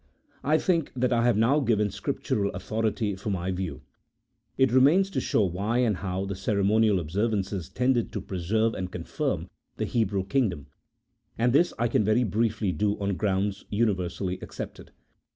I think that I have now given Scriptural authority for my view : it remains to show why and how the ceremonial observances tended to preserve and confirm the Hebrew kingdom; and this I can very briefly do on grounds universally accepted.